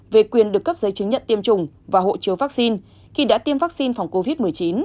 về quyền được cấp giấy chứng nhận tiêm chủng và hộ chiếu vaccine khi đã tiêm vaccine phòng covid một mươi chín